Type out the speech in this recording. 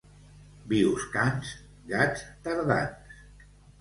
Bioscans, gats tardans.